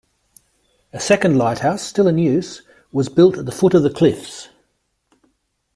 A second lighthouse, still in use, was built at the foot of the cliffs.